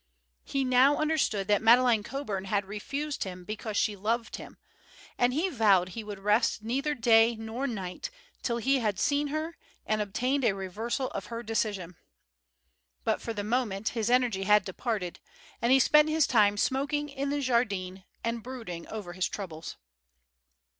He now understood that Madeleine Coburn had refused him because she loved him, and he vowed he would rest neither day nor night till he had seen her and obtained a reversal of her decision. But for the moment his energy had departed, and he spent his time smoking in the Jardin and brooding over his troubles.